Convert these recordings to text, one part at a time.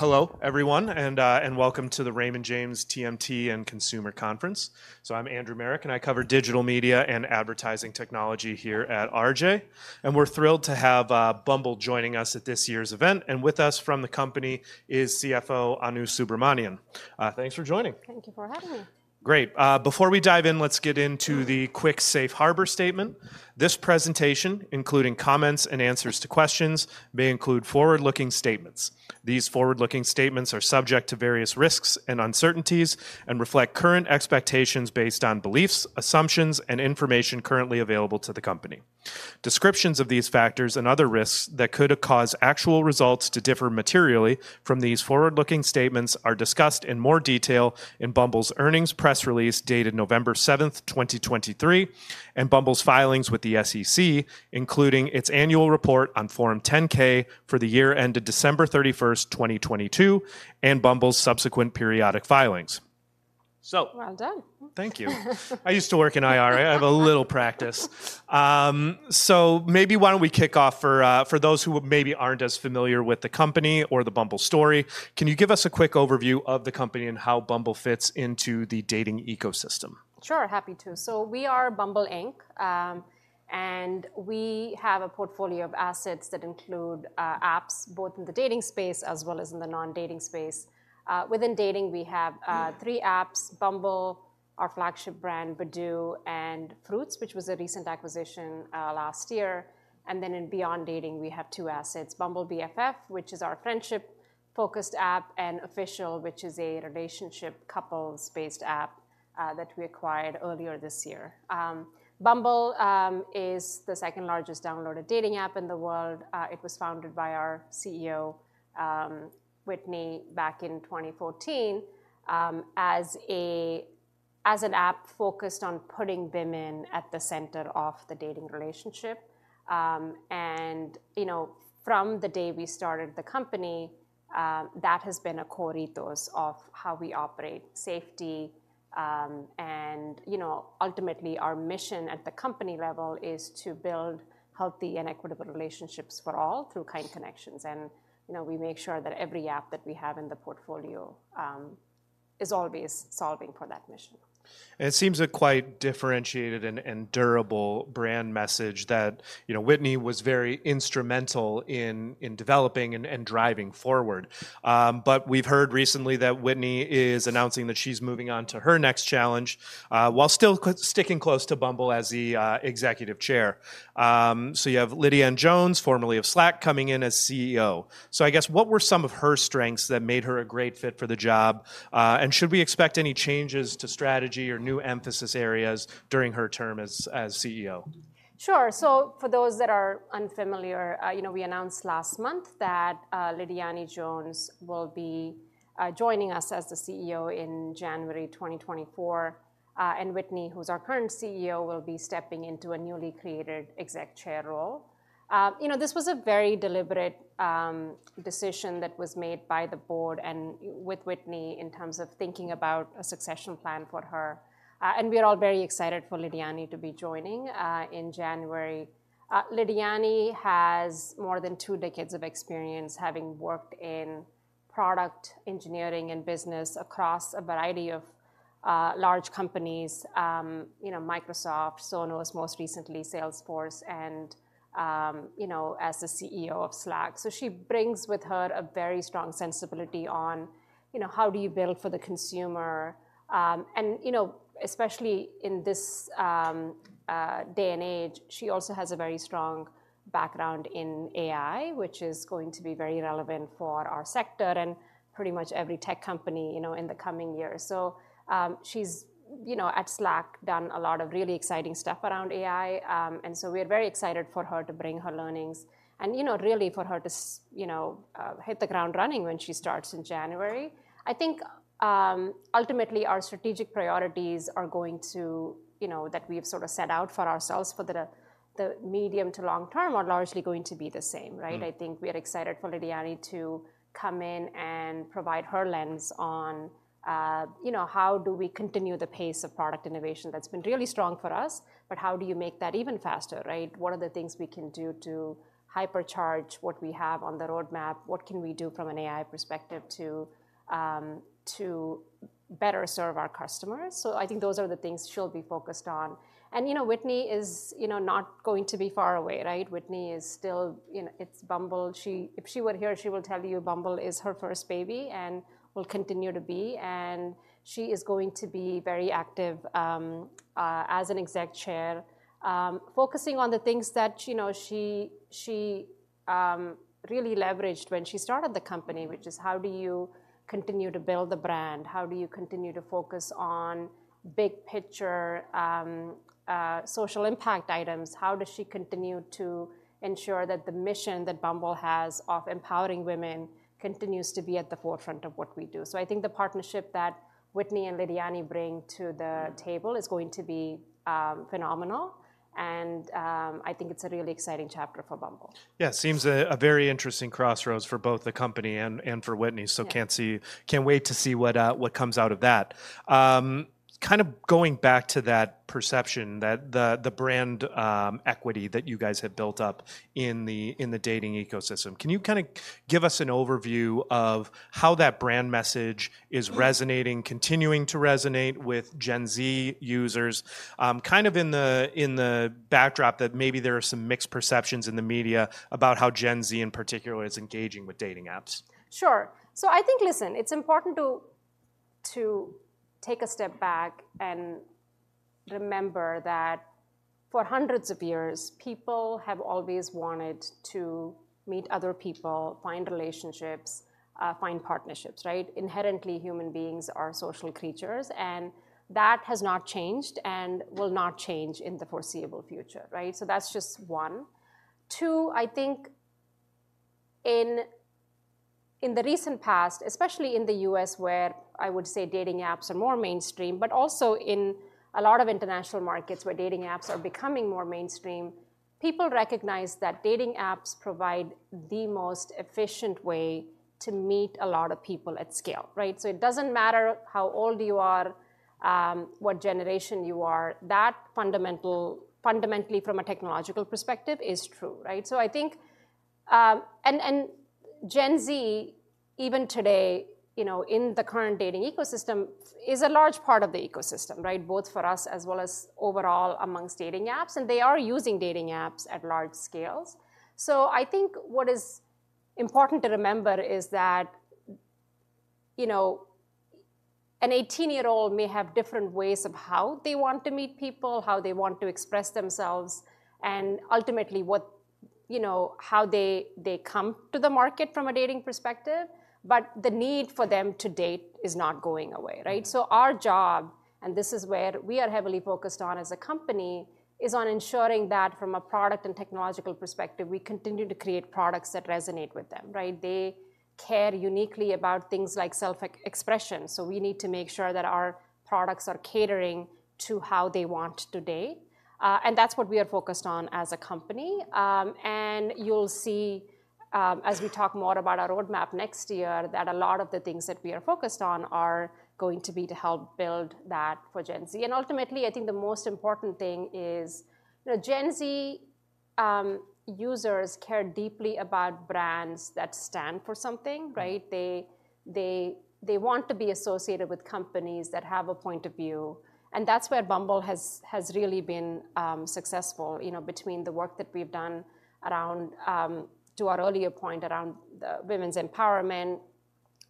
Hello, everyone, and welcome to the Raymond James TMT and Consumer Conference. So I'm Andrew Marok, and I cover digital media and advertising technology here at RJ. And we're thrilled to have Bumble joining us at this year's event, and with us from the company is CFO Anu Subramanian. Thanks for joining. Thank you for having me. Great. Before we dive in, let's get into the quick safe harbor statement. This presentation, including comments and answers to questions, may include forward-looking statements. These forward-looking statements are subject to various risks and uncertainties and reflect current expectations based on beliefs, assumptions, and information currently available to the company. Descriptions of these factors and other risks that could have caused actual results to differ materially from these forward-looking statements are discussed in more detail in Bumble's earnings press release, dated November 7, 2023, and Bumble's filings with the SEC, including its annual report on Form 10-K for the year ended December 31, 2022, and Bumble's subsequent periodic filings. So- Well done. Thank you. I used to work in IR. I have a little practice. So maybe why don't we kick off for, for those who maybe aren't as familiar with the company or the Bumble story, can you give us a quick overview of the company and how Bumble fits into the dating ecosystem? Sure, happy to. We are Bumble Inc., and we have a portfolio of assets that include apps, both in the dating space as well as in the non-dating space. Within dating, we have three apps: Bumble, our flagship brand, Badoo, and Fruitz, which was a recent acquisition last year. And then in beyond dating, we have two assets, Bumble BFF, which is our friendship-focused app, and Official, which is a relationship, couples-based app that we acquired earlier this year. Bumble is the second-largest downloaded dating app in the world. It was founded by our CEO, Whitney, back in 2014 as an app focused on putting women at the center of the dating relationship. And, you know, from the day we started the company, that has been a core ethos of how we operate, safety. And, you know, ultimately, our mission at the company level is to build healthy and equitable relationships for all through kind connections. And, you know, we make sure that every app that we have in the portfolio is always solving for that mission. It seems a quite differentiated and, and durable brand message that, you know, Whitney was very instrumental in, in developing and, and driving forward. But we've heard recently that Whitney is announcing that she's moving on to her next challenge, while still sticking close to Bumble as the executive chair. So you have Lidiane Jones, formerly of Slack, coming in as CEO. So I guess, what were some of her strengths that made her a great fit for the job? And should we expect any changes to strategy or new emphasis areas during her term as CEO? Sure. So for those that are unfamiliar, you know, we announced last month that Lidiane Jones will be joining us as the CEO in January 2024. And Whitney, who's our current CEO, will be stepping into a newly created exec chair role. You know, this was a very deliberate decision that was made by the board and with Whitney in terms of thinking about a succession plan for her. And we are all very excited for Lidiane to be joining in January. Lidiane has more than two decades of experience, having worked in product, engineering, and business across a variety of large companies, you know, Microsoft, Sonos, most recently Salesforce, and you know, as the CEO of Slack. So she brings with her a very strong sensibility on, you know, how do you build for the consumer? And, you know, especially in this day and age, she also has a very strong background in AI, which is going to be very relevant for our sector and pretty much every tech company, you know, in the coming years. So, she's, you know, at Slack, done a lot of really exciting stuff around AI. And so we are very excited for her to bring her learnings and, you know, really for her to you know, hit the ground running when she starts in January. I think, ultimately, our strategic priorities are going to... You know, that we've sort of set out for ourselves, for the, the medium to long term, are largely going to be the same, right? Mm-hmm. I think we are excited for Lidiane to come in and provide her lens on, you know, how do we continue the pace of product innovation that's been really strong for us, but how do you make that even faster, right? What are the things we can do to hypercharge what we have on the roadmap? What can we do from an AI perspective to better serve our customers? So I think those are the things she'll be focused on. And, you know, Whitney is, you know, not going to be far away, right? Whitney is still... You know, it's Bumble. If she were here, she will tell you Bumble is her first baby and will continue to be, and she is going to be very active, as an exec chair, focusing on the things that, you know, she really leveraged when she started the company, which is: how do you continue to build the brand? How do you continue to focus on big picture, social impact items? How does she continue to ensure that the mission that Bumble has of empowering women continues to be at the forefront of what we do? So I think the partnership that Whitney and Lidiane bring to the table- Mm-hmm... is going to be phenomenal, and I think it's a really exciting chapter for Bumble. Yeah, it seems a very interesting crossroads for both the company and for Whitney. Yeah. So, can't wait to see what comes out of that. Kind of going back to that perception that the brand equity that you guys have built up in the dating ecosystem. Can you kinda give us an overview of how that brand message is resonating, continuing to resonate with Gen Z users? Kind of in the backdrop that maybe there are some mixed perceptions in the media about how Gen Z, in particular, is engaging with dating apps. Sure. So I think, listen, it's important to take a step back and remember that for hundreds of years, people have always wanted to meet other people, find relationships, find partnerships, right? Inherently, human beings are social creatures, and that has not changed and will not change in the foreseeable future, right? So that's just one. Two, I think in the recent past, especially in the US, where I would say dating apps are more mainstream, but also in a lot of international markets where dating apps are becoming more mainstream, people recognize that dating apps provide the most efficient way to meet a lot of people at scale, right? So it doesn't matter how old you are, what generation you are, that fundamentally from a technological perspective, is true, right? So I think, and Gen Z, even today, you know, in the current dating ecosystem, is a large part of the ecosystem, right? Both for us as well as overall among dating apps, and they are using dating apps at large scales. So I think what is important to remember is that, you know, an 18-year-old may have different ways of how they want to meet people, how they want to express themselves, and ultimately, what you know, how they come to the market from a dating perspective, but the need for them to date is not going away, right? So our job, and this is where we are heavily focused on as a company, is on ensuring that from a product and technological perspective, we continue to create products that resonate with them, right? They care uniquely about things like self-expression, so we need to make sure that our products are catering to how they want to date. And that's what we are focused on as a company. And you'll see, as we talk more about our roadmap next year, that a lot of the things that we are focused on are going to be to help build that for Gen Z. Ultimately, I think the most important thing is, you know, Gen Z users care deeply about brands that stand for something, right? They, they, they want to be associated with companies that have a point of view, and that's where Bumble has, has really been successful, you know, between the work that we've done around, to our earlier point, around the women's empowerment,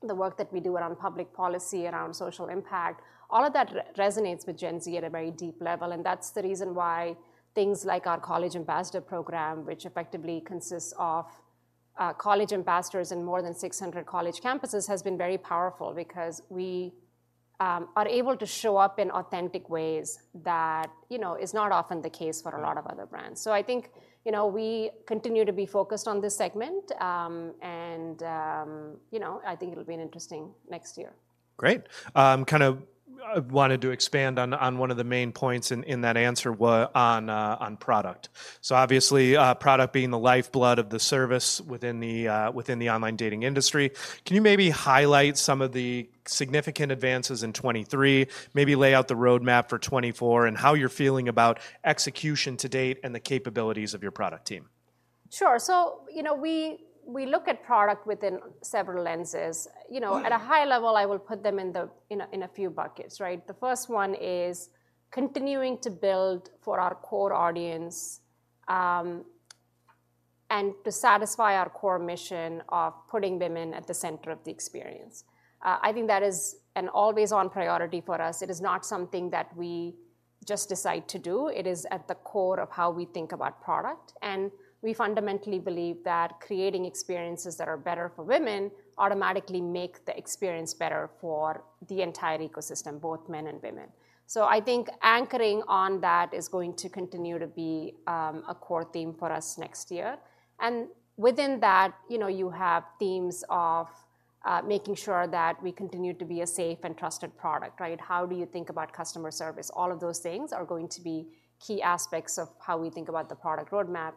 the work that we do around public policy, around social impact. All of that resonates with Gen Z at a very deep level, and that's the reason why things like our College Ambassador Program, which effectively consists of college ambassadors in more than 600 college campuses, has been very powerful because we are able to show up in authentic ways that, you know, is not often the case for a lot of other brands. So I think, you know, we continue to be focused on this segment, and you know, I think it'll be an interesting next year. Great. Kind of wanted to expand on one of the main points in that answer on product. So obviously, product being the lifeblood of the service within the online dating industry. Can you maybe highlight some of the significant advances in 2023? Maybe lay out the roadmap for 2024, and how you're feeling about execution to date and the capabilities of your product team. Sure. So, you know, we look at product within several lenses. You know. Mm-hmm. At a high level, I will put them in a few buckets, right? The first one is continuing to build for our core audience, and to satisfy our core mission of putting women at the center of the experience. I think that is an always-on priority for us. It is not something that we just decide to do. It is at the core of how we think about product, and we fundamentally believe that creating experiences that are better for women automatically make the experience better for the entire ecosystem, both men and women. So I think anchoring on that is going to continue to be a core theme for us next year. And within that, you know, you have themes of making sure that we continue to be a safe and trusted product, right? How do you think about customer service? All of those things are going to be key aspects of how we think about the product roadmap.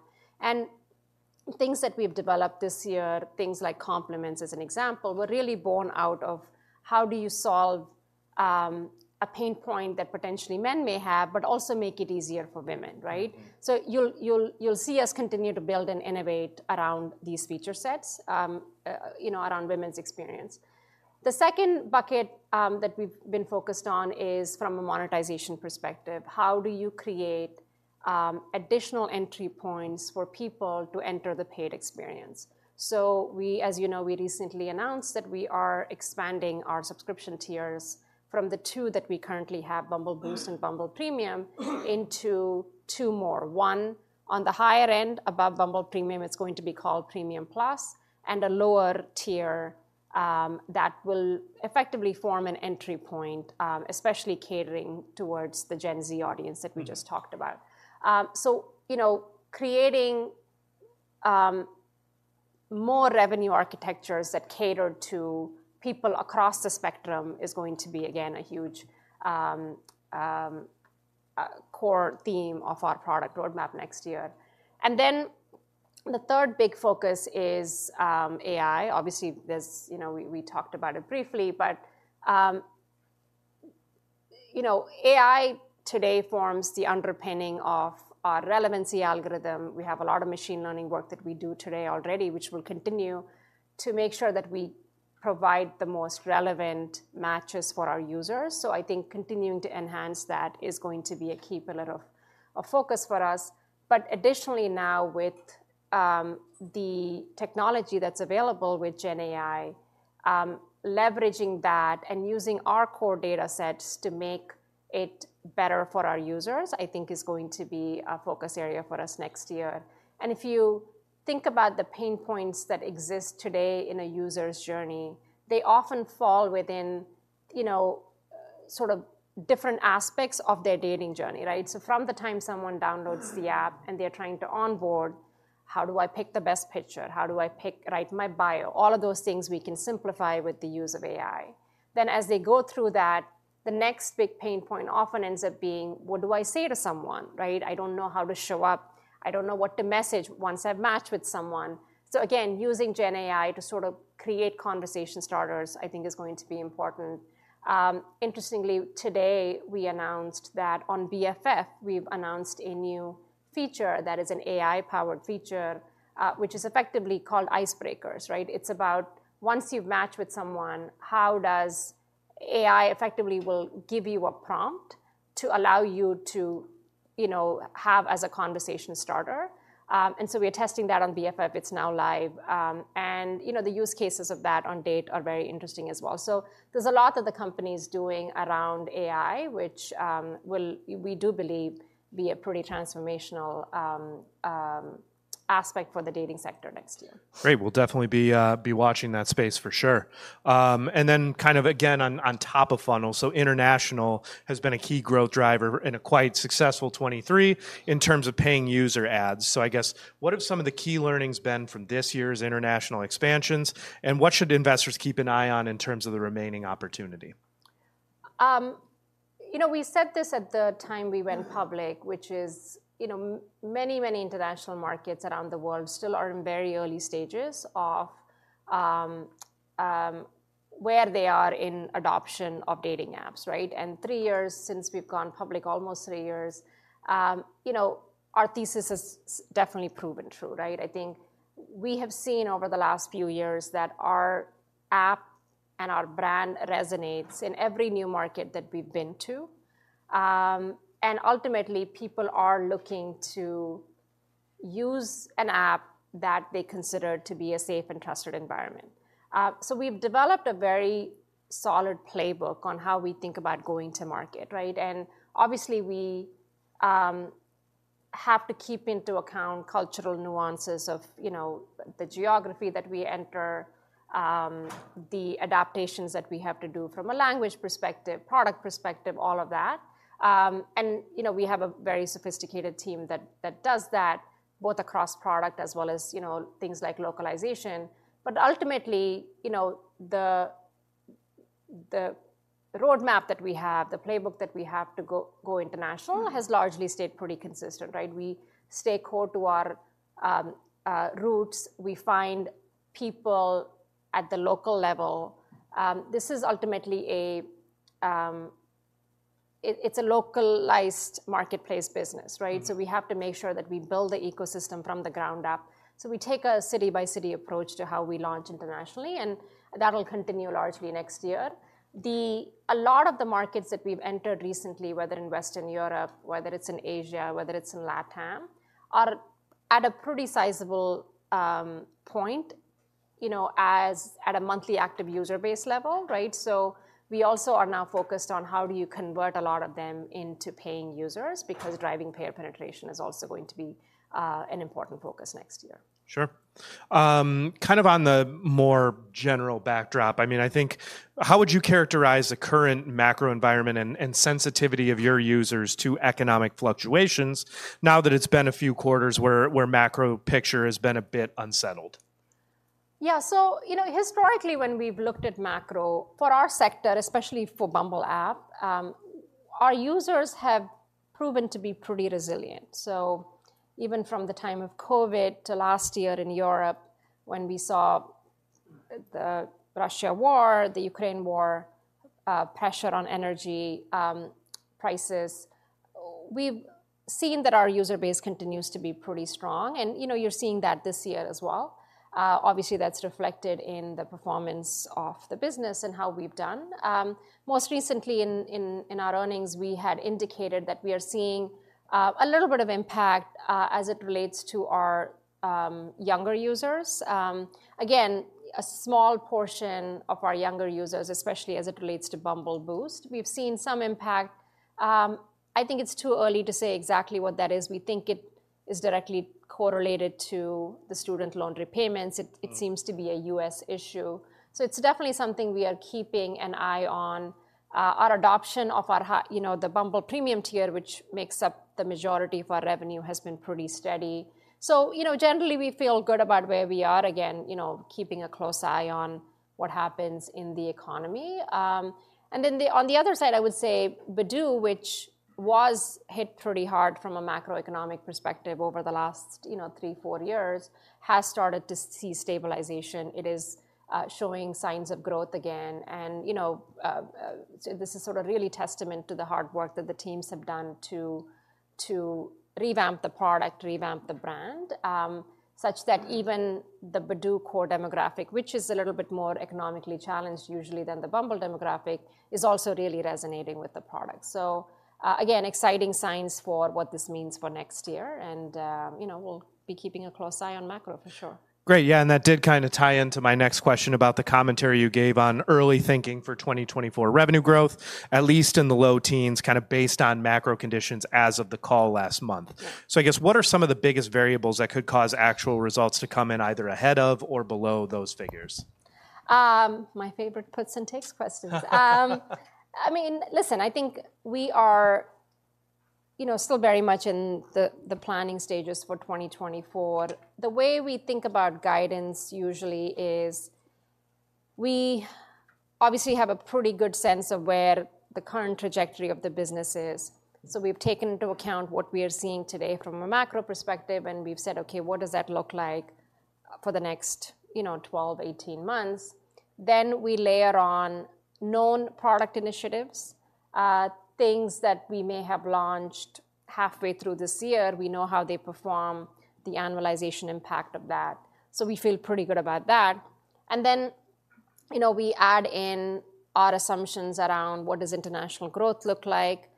Things that we've developed this year, things like Compliments, as an example, were really born out of: How do you solve a pain point that potentially men may have, but also make it easier for women, right? Mm-hmm. So you'll see us continue to build and innovate around these feature sets, you know, around women's experience. The second bucket that we've been focused on is from a monetization perspective. How do you create additional entry points for people to enter the paid experience? So we, as you know, we recently announced that we are expanding our subscription tiers from the two that we currently have, Bumble Boost- Mm-hmm... and Bumble Premium, into two more. One, on the higher end, above Bumble Premium, it's going to be called Premium Plus, and a lower tier, that will effectively form an entry point, especially catering towards the Gen Z audience that we just-... talked about. So you know, creating more revenue architectures that cater to people across the spectrum is going to be, again, a huge core theme of our product roadmap next year. And then the third big focus is AI. Obviously, there's, you know, we talked about it briefly, but you know, AI today forms the underpinning of our relevancy algorithm. We have a lot of machine learning work that we do today already, which will continue to make sure that we provide the most relevant matches for our users. So I think continuing to enhance that is going to be a key pillar of focus for us. Additionally now, with the technology that's available with Gen AI, leveraging that and using our core datasets to make it better for our users, I think is going to be a focus area for us next year. And if you think about the pain points that exist today in a user's journey, they often fall within, you know, sort of different aspects of their dating journey, right? So from the time someone downloads the app and they're trying to onboard, how do I pick the best picture? How do I pick, write my bio? All of those things we can simplify with the use of AI. Then, as they go through that, the next big pain point often ends up being: What do I say to someone, right? I don't know how to show up. I don't know what to message once I've matched with someone. So again, using Gen AI to sort of create conversation starters, I think is going to be important. Interestingly, today we announced that on BFF, we've announced a new feature that is an AI-powered feature, which is effectively called Icebreakers, right? It's about once you've matched with someone, how does... AI effectively will give you a prompt to allow you to, you know, have as a conversation starter. And so we are testing that on BFF. It's now live. And, you know, the use cases of that on date are very interesting as well. So there's a lot that the company's doing around AI, which, will—we do believe be a pretty transformational aspect for the dating sector next year. Great! We'll definitely be watching that space for sure. And then kind of again, on top of funnel, so international has been a key growth driver in a quite successful 2023 in terms of paying user ads. So I guess, what have some of the key learnings been from this year's international expansions, and what should investors keep an eye on in terms of the remaining opportunity? You know, we said this at the time we went public, which is, you know, many, many international markets around the world still are in very early stages of where they are in adoption of dating apps, right? And three years since we've gone public, almost three years, you know, our thesis has definitely proven true, right? I think we have seen over the last few years that our app and our brand resonates in every new market that we've been to. And ultimately, people are looking to use an app that they consider to be a safe and trusted environment. So we've developed a very solid playbook on how we think about going to market, right? And obviously, we have to keep into account cultural nuances of, you know, the geography that we enter, the adaptations that we have to do from a language perspective, product perspective, all of that. And, you know, we have a very sophisticated team that does that, both across product as well as, you know, things like localization. But ultimately, you know, the roadmap that we have, the playbook that we have to go international has largely stayed pretty consistent, right? We stay core to our roots. We find people at the local level. This is ultimately a... It, it's a localized marketplace business, right? So we have to make sure that we build the ecosystem from the ground up. So we take a city-by-city approach to how we launch internationally, and that'll continue largely next year. A lot of the markets that we've entered recently, whether in Western Europe, whether it's in Asia, whether it's in Latin, are at a pretty sizable point, you know, as at a monthly active user base level, right? So we also are now focused on how do you convert a lot of them into paying users, because driving payer penetration is also going to be an important focus next year. Sure. Kind of on the more general backdrop, I mean, I think, how would you characterize the current macro environment and sensitivity of your users to economic fluctuations now that it's been a few quarters where macro picture has been a bit unsettled? Yeah. So, you know, historically, when we've looked at macro, for our sector, especially for Bumble app, our users have proven to be pretty resilient. So even from the time of COVID to last year in Europe, when we saw the Russia war, the Ukraine war, pressure on energy prices, we've seen that our user base continues to be pretty strong, and, you know, you're seeing that this year as well. Obviously, that's reflected in the performance of the business and how we've done. Most recently in our earnings, we had indicated that we are seeing a little bit of impact as it relates to our younger users. Again, a small portion of our younger users, especially as it relates to Bumble Boost. We've seen some impact. I think it's too early to say exactly what that is. We think it is directly correlated to the student loan repayments. Mm. It seems to be a US issue, so it's definitely something we are keeping an eye on. Our adoption of our high, you know, the Bumble Premium tier, which makes up the majority of our revenue, has been pretty steady. So, you know, generally, we feel good about where we are. Again, you know, keeping a close eye on what happens in the economy. And then, on the other side, I would say Badoo, which was hit pretty hard from a macroeconomic perspective over the last, you know, three-four years, has started to see stabilization. It is showing signs of growth again, and, you know, this is sort of really testament to the hard work that the teams have done to revamp the product, revamp the brand, such that even the Badoo core demographic, which is a little bit more economically challenged usually than the Bumble demographic, is also really resonating with the product. So, again, exciting signs for what this means for next year, and, you know, we'll be keeping a close eye on macro for sure. Great. Yeah, and that did kind of tie into my next question about the commentary you gave on early thinking for 2024 revenue growth, at least in the low teens, kind of based on macro conditions as of the call last month. Yeah. I guess what are some of the biggest variables that could cause actual results to come in either ahead of or below those figures? My favorite puts and takes questions. I mean, listen, I think we are, you know, still very much in the, the planning stages for 2024. The way we think about guidance usually is we obviously have a pretty good sense of where the current trajectory of the business is. So we've taken into account what we are seeing today from a macro perspective, and we've said, Okay, what does that look like for the next, you know, 12, 18 months? Then we layer on known product initiatives, things that we may have launched halfway through this year. We know how they perform, the annualization impact of that, so we feel pretty good about that. And then, you know, we add in our assumptions around what does international growth look like.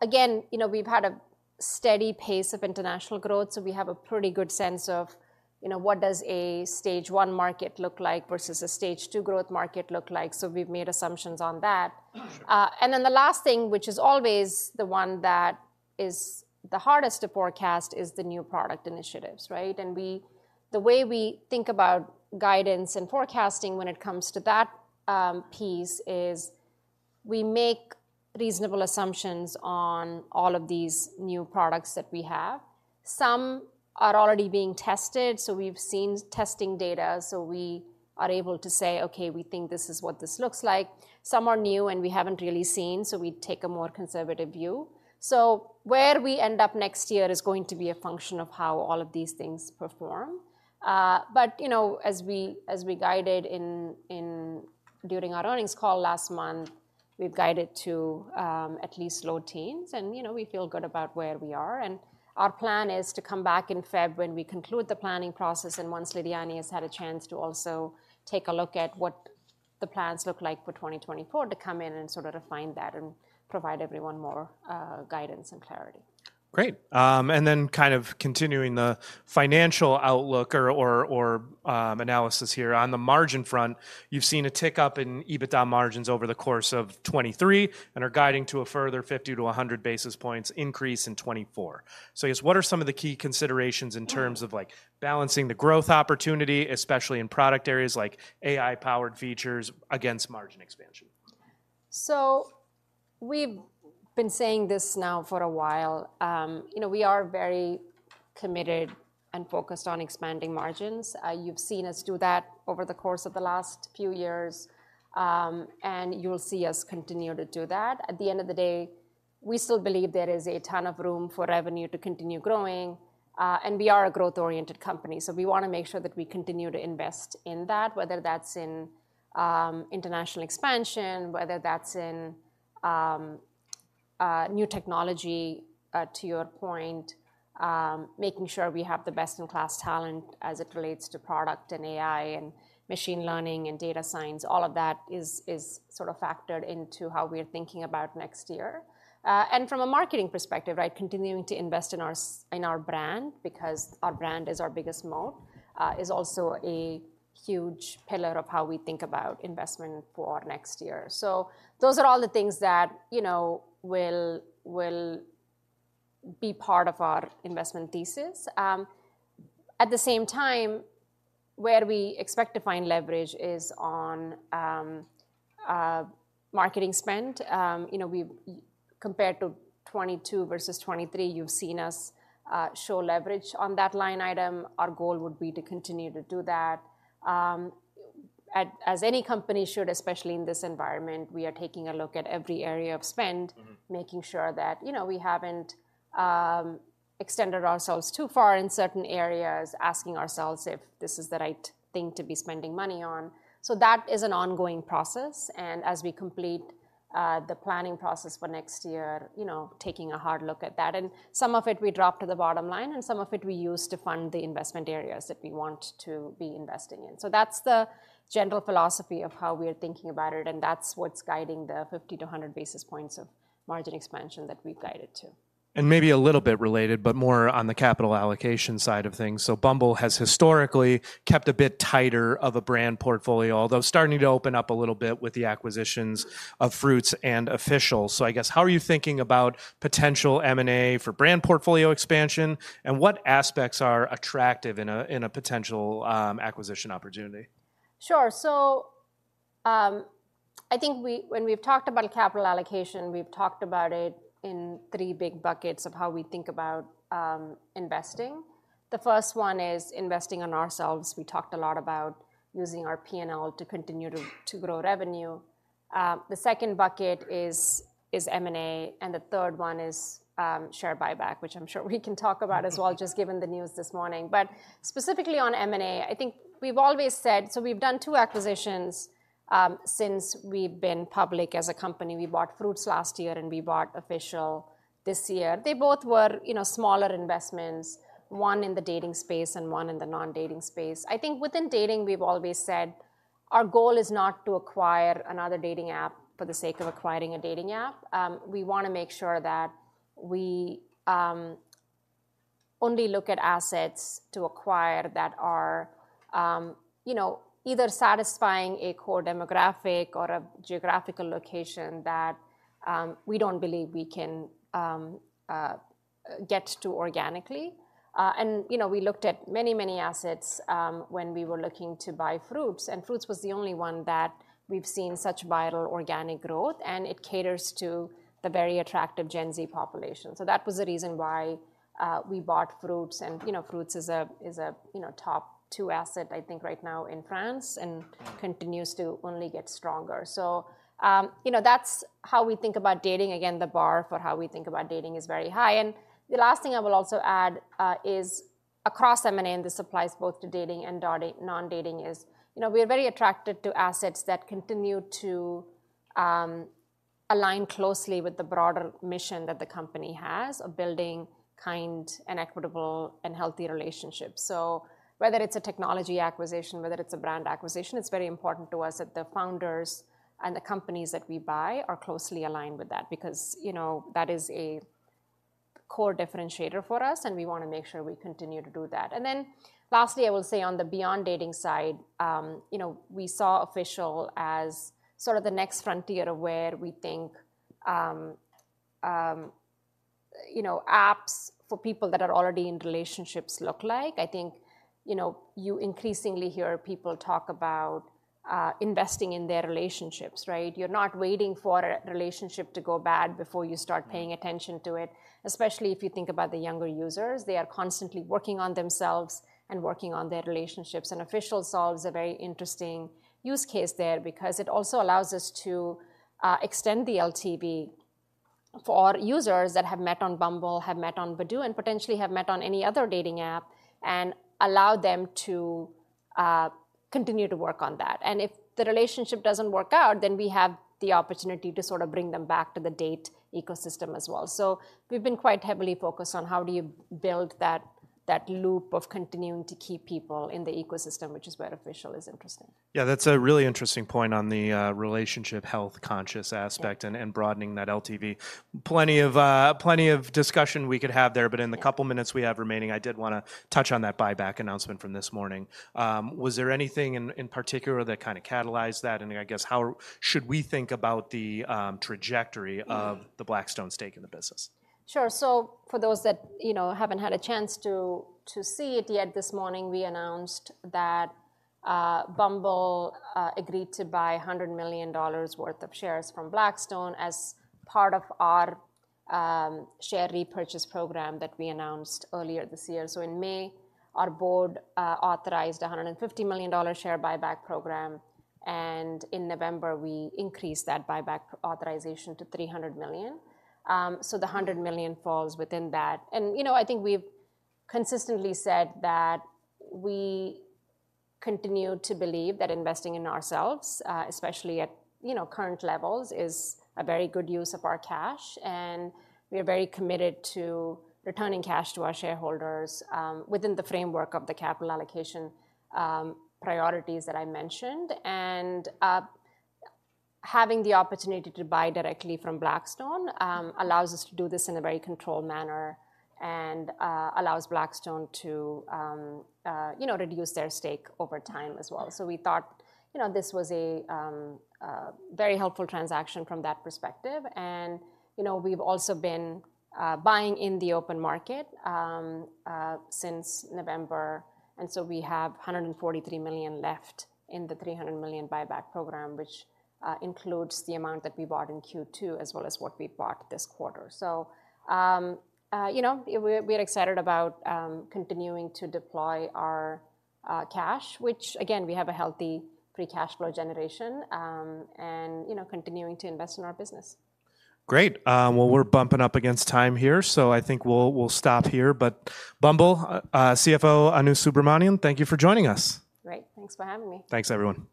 Again, you know, we've had a steady pace of international growth, so we have a pretty good sense of, you know, what does a Stage One market look like versus a Stage Two growth market look like? So we've made assumptions on that. Sure. And then the last thing, which is always the one that is the hardest to forecast, is the new product initiatives, right? And we, the way we think about guidance and forecasting when it comes to that piece is we make reasonable assumptions on all of these new products that we have. Some are already being tested, so we've seen testing data, so we are able to say, Okay, we think this is what this looks like. Some are new, and we haven't really seen, so we take a more conservative view. So where we end up next year is going to be a function of how all of these things perform. But, you know, as we, as we guided in, in during our earnings call last month, we've guided to at least low teens, and, you know, we feel good about where we are. Our plan is to come back in February when we conclude the planning process, and once Lidiane has had a chance to also take a look at what the plans look like for 2024, to come in and sort of refine that and provide everyone more guidance and clarity. Great. And then kind of continuing the financial outlook analysis here. On the margin front, you've seen a tick-up in EBITDA margins over the course of 2023 and are guiding to a further 50-100 basis points increase in 2024. So I guess, what are some of the key considerations in terms- Mm-hmm... of like balancing the growth opportunity, especially in product areas like AI-powered features, against margin expansion? So we've been saying this now for a while. You know, we are very committed and focused on expanding margins. You've seen us do that over the course of the last few years, and you'll see us continue to do that. At the end of the day, we still believe there is a ton of room for revenue to continue growing, and we are a growth-oriented company, so we wanna make sure that we continue to invest in that, whether that's in international expansion, whether that's in new technology, to your point, making sure we have the best-in-class talent as it relates to product and AI and machine learning and data science. All of that is sort of factored into how we are thinking about next year. And from a marketing perspective, right, continuing to invest in our brand, because our brand is our biggest moat, is also a huge pillar of how we think about investment for next year. So those are all the things that, you know, will be part of our investment thesis. At the same time, where we expect to find leverage is on marketing spend. You know, we've compared to 2022 versus 2023, you've seen us show leverage on that line item. Our goal would be to continue to do that. As any company should, especially in this environment, we are taking a look at every area of spend- Mm-hmm... making sure that, you know, we haven't extended ourselves too far in certain areas, asking ourselves if this is the right thing to be spending money on. So that is an ongoing process, and as we complete the planning process for next year, you know, taking a hard look at that, and some of it we drop to the bottom line, and some of it we use to fund the investment areas that we want to be investing in. So that's the general philosophy of how we are thinking about it, and that's what's guiding the 50-100 basis points of margin expansion that we've guided to. Maybe a little bit related, but more on the capital allocation side of things. Bumble has historically kept a bit tighter of a brand portfolio, although starting to open up a little bit with the acquisitions of Fruitz and Official. I guess, how are you thinking about potential M&A for brand portfolio expansion, and what aspects are attractive in a potential acquisition opportunity? Sure. So, I think when we've talked about capital allocation, we've talked about it in three big buckets of how we think about investing. The first one is investing in ourselves. We talked a lot about using our P&L to continue to grow revenue. The second bucket is M&A, and the third one is share buyback, which I'm sure we can talk about as well, just given the news this morning. But specifically on M&A, I think we've always said. So we've done two acquisitions since we've been public as a company. We bought Fruitz last year, and we bought Official this year. They both were, you know, smaller investments, one in the dating space and one in the non-dating space. I think within dating, we've always said our goal is not to acquire another dating app for the sake of acquiring a dating app. We wanna make sure that we only look at assets to acquire that are, you know, either satisfying a core demographic or a geographical location that we don't believe we can get to organically. And, you know, we looked at many, many assets when we were looking to buy Fruitz, and Fruitz was the only one that we've seen such vital organic growth, and it caters to the very attractive Gen Z population. So that was the reason why we bought Fruitz. And, you know, Fruitz is a, is a, you know, top two asset, I think, right now in France, and continues to only get stronger. So, you know, that's how we think about dating. Again, the bar for how we think about dating is very high. The last thing I will also add is across M&A, and this applies both to dating and non-dating. You know, we are very attracted to assets that continue to align closely with the broader mission that the company has of building kind and equitable and healthy relationships. So whether it's a technology acquisition, whether it's a brand acquisition, it's very important to us that the founders and the companies that we buy are closely aligned with that, because, you know, that is a core differentiator for us, and we wanna make sure we continue to do that. Then lastly, I will say on the beyond dating side, you know, we saw Official as sort of the next frontier of where we think, you know, apps for people that are already in relationships look like. I think, you know, you increasingly hear people talk about investing in their relationships, right? You're not waiting for a relationship to go bad before you start paying attention to it, especially if you think about the younger users. They are constantly working on themselves and working on their relationships. And Official solves a very interesting use case there because it also allows us to extend the LTV for users that have met on Bumble, have met on Badoo, and potentially have met on any other dating app, and allow them to continue to work on that. If the relationship doesn't work out, then we have the opportunity to sort of bring them back to the date ecosystem as well. We've been quite heavily focused on how do you build that loop of continuing to keep people in the ecosystem, which is where Official is interesting. Yeah, that's a really interesting point on the relationship health conscious aspect- Yeah. broadening that LTV. Plenty of, plenty of discussion we could have there, but in the couple minutes we have remaining, I did wanna touch on that buyback announcement from this morning. Was there anything in particular that kind of catalyzed that? And I guess, how should we think about the trajectory of the Blackstone stake in the business? Sure. So for those that, you know, haven't had a chance to see it yet, this morning we announced that Bumble agreed to buy $100 million worth of shares from Blackstone as part of our share repurchase program that we announced earlier this year. So in May, our board authorized a $150 million share buyback program, and in November, we increased that buyback authorization to $300 million. So the $100 million falls within that. And, you know, I think we've consistently said that we continue to believe that investing in ourselves, especially at, you know, current levels, is a very good use of our cash. And we are very committed to returning cash to our shareholders, within the framework of the capital allocation priorities that I mentioned. Having the opportunity to buy directly from Blackstone allows us to do this in a very controlled manner and allows Blackstone to, you know, reduce their stake over time as well. So we thought, you know, this was a very helpful transaction from that perspective. And, you know, we've also been buying in the open market since November, and so we have $143 million left in the $300 million buyback program, which includes the amount that we bought in Q2, as well as what we bought this quarter. So, you know, we're excited about continuing to deploy our cash, which again, we have a healthy free cash flow generation, and, you know, continuing to invest in our business. Great. Well, we're bumping up against time here, so I think we'll stop here. But Bumble CFO, Anu Subramanian, thank you for joining us. Great. Thanks for having me. Thanks, everyone.